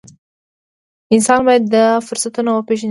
انسان باید دا فرصتونه وپېژني.